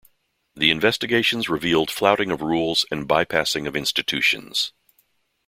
The investigations revealed flouting of rules and bypassing of institutions.